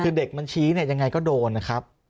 คือเด็กมันชี้เนี่ยยังไงก็โดนนะครับ